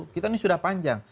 kita ini sudah panjang